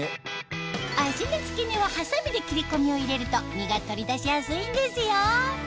脚の付け根はハサミで切り込みを入れると身が取り出しやすいんですよ